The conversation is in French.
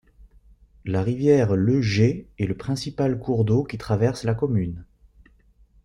La rivière Le Jet est le principal cours d'eau qui traverse la commune.